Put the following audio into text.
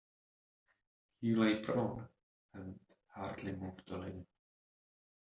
He lay prone and hardly moved a limb.